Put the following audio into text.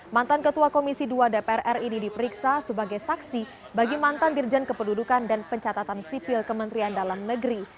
mantan ketua komisi dua dpr ri ini diperiksa sebagai saksi bagi mantan dirjen kependudukan dan pencatatan sipil kementerian dalam negeri